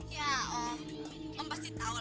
ya om om pasti tahu om